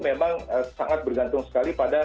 memang sangat bergantung sekali pada